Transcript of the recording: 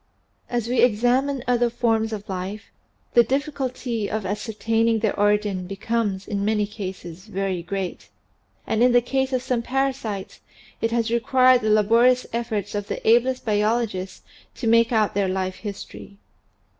As we examine other forms of animal life the difficulty of ascertaining their origin becomes in many cases very great and in the case of some parasites it has required the labo rious efforts of the ablest biologists to make out their life history.